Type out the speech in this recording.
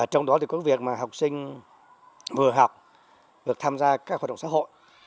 trong đó thì có việc mà học sinh vừa học vừa tham gia các hoạt động xã hội